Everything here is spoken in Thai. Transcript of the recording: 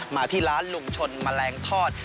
มาที่ร้านลุ้งชนมะแรงทอด